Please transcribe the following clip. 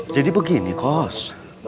jadi begini kos